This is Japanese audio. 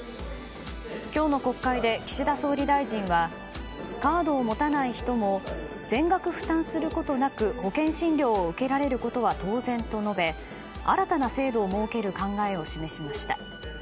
今日の国会で、岸田総理大臣はカードを持たない人も全額負担することなく保険診療を受けられることは当然と述べ新たな制度を設ける考えを示しました。